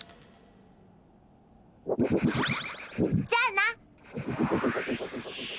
じゃあな。